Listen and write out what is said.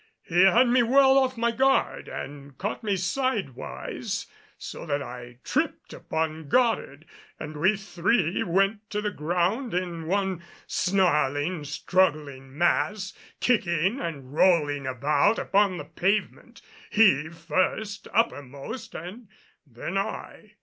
He had me well off my guard and caught me sidewise, so that I tripped upon Goddard and we three went to the ground in one snarling, struggling mass, kicking and rolling about upon the pavement, he first uppermost and then I.